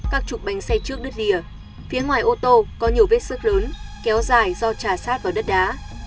các trục bánh xe trước đứt rìa phía ngoài ô tô có nhiều vết sức lớn kéo dài do trà sát vào đất đá